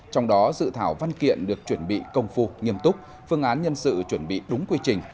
trong đó dự thảo văn kiện được chuẩn bị công phu nghiêm túc phương án nhân sự chuẩn bị đúng quy trình